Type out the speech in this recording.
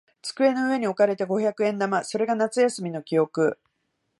机の上に置かれた五百円玉。それが夏休みの記憶。